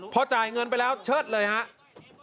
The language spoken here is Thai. พอจ่ายเงินไปแล้วเชิดเลยครับ